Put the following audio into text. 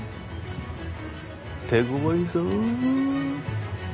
手ごわいぞ。